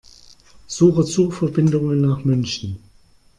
Suche Zugverbindungen nach München.